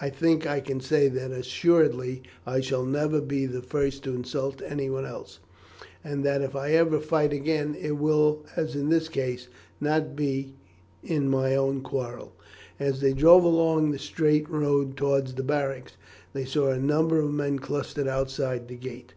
"I think I can say that assuredly I shall never be the first to insult anyone else, and that if ever I fight again, it will, as in this case, not be in my own quarrel." As they drove along the straight road towards the barracks, they saw a number of men clustered outside the gate.